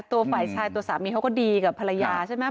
ตัวฝ่ายชายตัวสามีเขาก็ดีกับภรรยาใช่ไหม